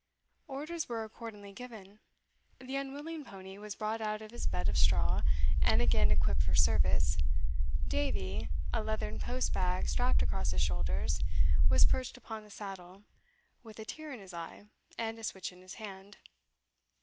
Orders were accordingly given. The unwilling pony was brought out of his bed of straw, and again equipped for service Davie (a leathern post bag strapped across his shoulders) was perched upon the saddle, with a tear in his eye, and a switch in his hand.